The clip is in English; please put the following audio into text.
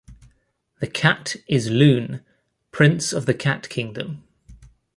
The cat is Lune, Prince of the Cat Kingdom.